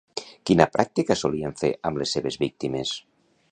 Quina pràctica solien fer amb les seves víctimes?